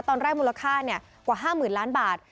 ตอนแรกมูลค่ากว่า๕๐๐๐๐ล้านบาท